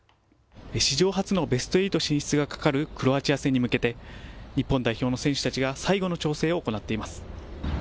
史上初のベスト８進出が懸かるクロアチア戦に向けて日本代表の選手たちが最後の調整を行っています。